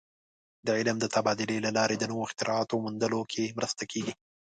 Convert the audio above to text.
د علم د تبادلې له لارې د نوو اختراعاتو موندلو کې مرسته کېږي.